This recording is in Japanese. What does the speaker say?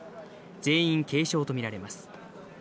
全員軽傷と見られます。